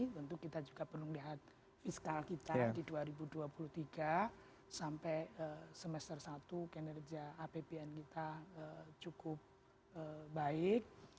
tentu kita juga perlu melihat fiskal kita di dua ribu dua puluh tiga sampai semester satu kinerja apbn kita cukup baik